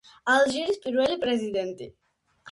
ალჟირის პირველი პრეზიდენტი.